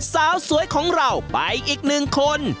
สาวสวยของเราไปอีกหนึ่งคน